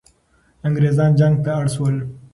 انګریزان جنگ ته اړ سول.